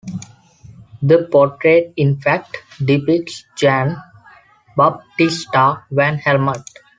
The portrait in fact depicts Jan Baptista van Helmont.